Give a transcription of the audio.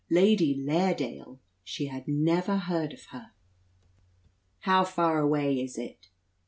Lady Lairdale! She had never heard of her. "How far away is it?"